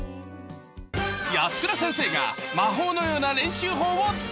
安倉先生が魔法のような練習法を伝授！